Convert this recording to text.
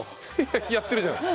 やってるじゃない。